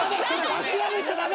諦めちゃダメ！